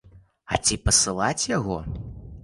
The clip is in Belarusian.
А ці пасылаць яго?